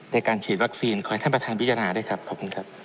ในการฉีดวัคซีนขอให้ท่านประธานพิจารณาด้วยครับขอบคุณครับ